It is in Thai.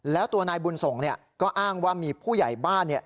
แล้วตัวนายบุญส่งก็อ้างว่ามีผู้ใหญ่บ้าน